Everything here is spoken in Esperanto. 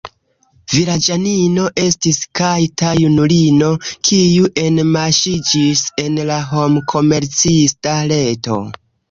Vilaĝanino estis Katja, junulino, kiu enmaŝiĝis en la homkomercista reto.